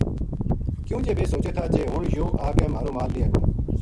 کیوں جے ویہ سوچے تھا جے ہن یوہ آ کے مھارو مال لیے گو